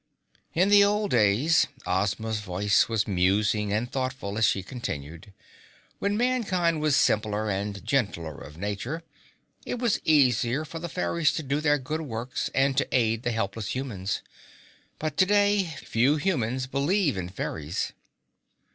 "In the old days," Ozma's voice was musing and thoughtful as she continued, "when mankind was simpler and gentler of nature, it was easier for the fairies to do their good works and to aid the helpless humans. But today few humans believe in fairies."